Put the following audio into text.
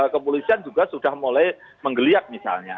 kepolisian juga sudah mulai menggeliat misalnya